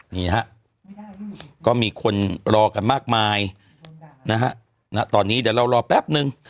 นี่ฮะก็มีคนรอกันมากมายนะฮะณตอนนี้เดี๋ยวเรารอแป๊บนึง